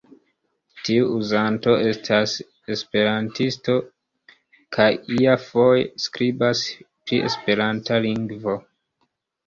Tiu uzanto estas esperantisto kaj iafoje skribas pri esperanta lingvo.